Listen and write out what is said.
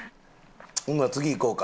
ほな次行こうか。